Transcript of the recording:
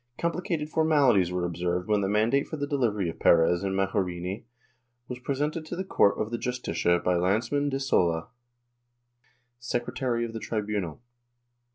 Complicated formalities were observed when the mandate for the delivery of Perez and Majorini was presented to the court of the Justicia by Lanceman de Sola, secretary of the tribunal.